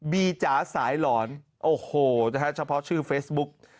จ๋าสายหลอนโอ้โหนะฮะเฉพาะชื่อเฟซบุ๊ก